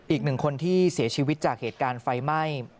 อีกหนึ่งคนที่เสียชีวิตจากเหตุการณ์ไฟไหม้